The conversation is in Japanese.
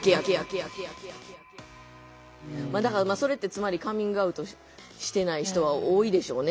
だからそれってつまりカミングアウトしてない人は多いでしょうね。